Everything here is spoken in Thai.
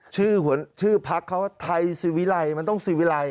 ชื่อภาคเขาว่าไทยสิวิไลมันต้องสิวิไล